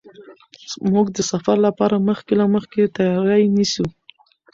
موږ د سفر لپاره مخکې له مخکې تیاری نیسو.